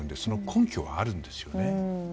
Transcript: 根拠はあるんですよね。